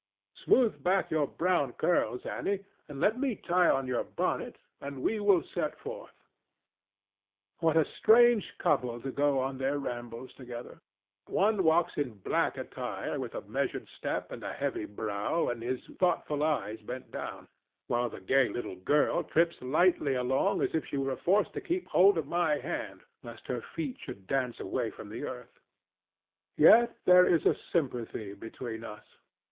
Smooth back your brown curls, Annie, and let me tie on your bonnet, and we will set forth. What a strange couple to go on their rambles together! One walks in black attire, with a measured step and a heavy brow and his thoughtful eyes bent down, while the gay little girl trips lightly along as if she were forced to keep hold of my hand lest her feet should dance away from the earth. Yet there is sympathy between us.